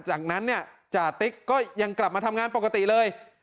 จากนั้นเนี่ยจ่าติ๊กก็ยังกลับมาทำงานปกติเลย